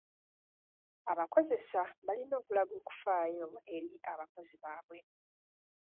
Abakozesa balina okulaga okufaayo eri abakozi baabwe.